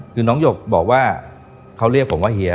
คือน้องหยกบอกว่าเขาเรียกผมว่าเฮีย